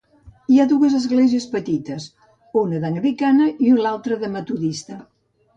Hi ha dues esglésies petites, una d'anglicana i l'altra de metodista.